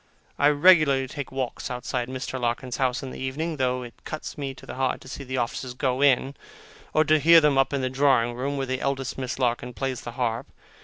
I regularly take walks outside Mr. Larkins's house in the evening, though it cuts me to the heart to see the officers go in, or to hear them up in the drawing room, where the eldest Miss Larkins plays the harp.